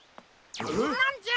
なんじゃ？